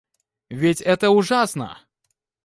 Ведь это ужасно!